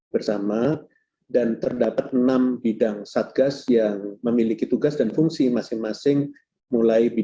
bersama dan terdapat enam bidang satgas yang memiliki tugas dan fungsi masing masing mulai